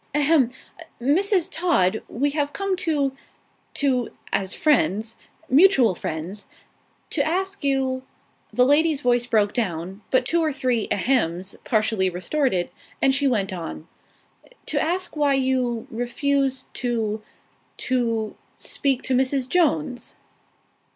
"A hem! Mrs. Todd, we have come to to as friends mutual friends to ask you" The lady's voice broke down; but two or three "a hems!" partially restored it, and she went on. "To ask why you refused to to speak to Mrs. Jones?"